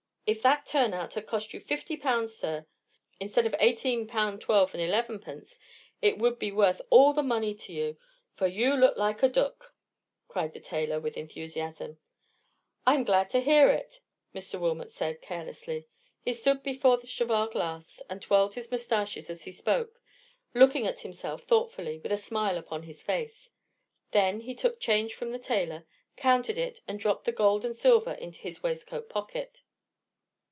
"If that turn out had cost you fifty pound, sir, instead of eighteen pound, twelve, and elevenpence, it would be worth all the money to you; for you look like a dook;" cried the tailor, with enthusiasm. "I'm glad to hear it," Mr. Wilmot said, carelessly. He stood before the cheval glass, and twirled his moustache as he spoke, looking at himself thoughtfully, with a smile upon his face. Then he took his change from the tailor, counted it, and dropped the gold and silver into his waistcoat pocket.